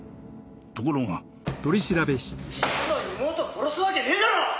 ところが実の妹を殺すわけねえだろ！